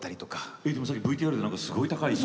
えでもさっきＶＴＲですごい高い。